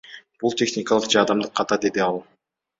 Бул техникалык же адамдык ката, — деди ал.